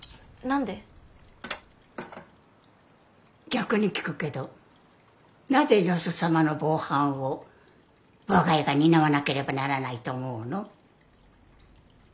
逆に聞くけどなぜよそ様の防犯を我が家が担わなければならないと思うの？